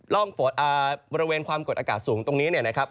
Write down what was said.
ร่องฝนบริเวณความเกิดอากาศสูงตรงนี้นะครับ